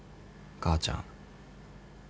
母ちゃん！